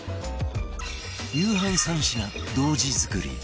夕飯３品同時作り